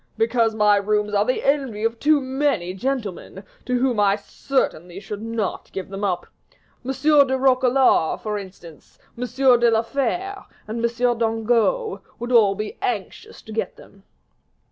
"Because my rooms are the envy of too many gentlemen, to whom I certainly shall not give them up; M. de Roquelaure, for instance, M. de la Ferte, and M. de Dangeau, would all be anxious to get them."